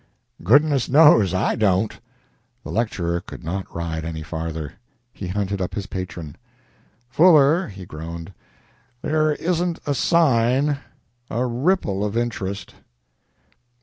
"Goodness knows! I don't." The lecturer could not ride any farther. He hunted up his patron. "Fuller," he groaned, "there isn't a sign a ripple of interest."